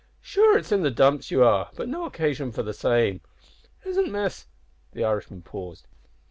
"Sure, it's in the dumps ye are, an' no occasion for that same. Isn't Miss " The Irishman paused.